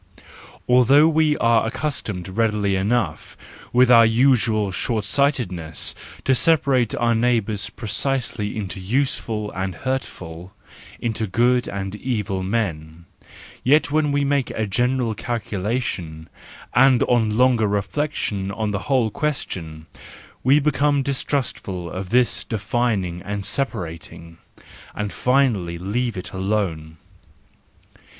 Although we are accustomed readily enough, with our usual short sightedness, to separate our neighbours precisely into useful and hurtful, into good and evil men, yet when we make a general calculation, and on longer reflection on the whole question, we become distrustful of this defining and separating, and finally leave it alone.